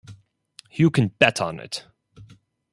You can bet on it!